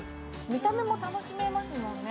見た目も楽しめますもんね。